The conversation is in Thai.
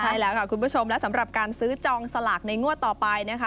ใช่แล้วค่ะคุณผู้ชมและสำหรับการซื้อจองสลากในงวดต่อไปนะคะ